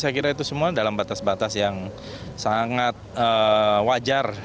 saya kira itu semua dalam batas batas yang sangat wajar